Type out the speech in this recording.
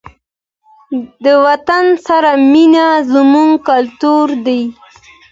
د وطن سره مینه زموږ کلتور دی.